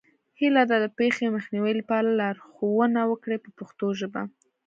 هیله ده د پېښې مخنیوي لپاره لارښوونه وکړئ په پښتو ژبه.